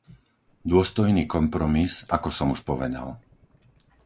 Dôstojný kompromis, ako som už povedal.